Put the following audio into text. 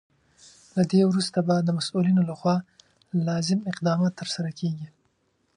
له دې وروسته به د مسولینو لخوا لازم اقدامات ترسره کیږي.